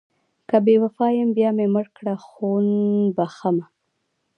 که بې وفا یم بیا مې مړه کړه خون بښمه...